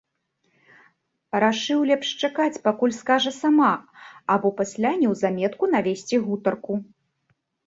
Рашыў лепш чакаць, пакуль скажа сама, або пасля неўзаметку навесці гутарку.